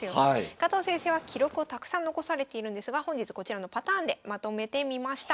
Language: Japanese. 加藤先生は記録をたくさん残されているんですが本日こちらのパターンでまとめてみました。